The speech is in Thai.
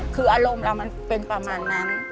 คืออารมณ์เรามันเป็นประมาณนั้น